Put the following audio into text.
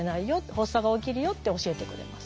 発作が起きるよ」って教えてくれます。